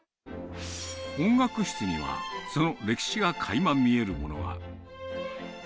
音楽室には、その歴史がかいま見えるものが。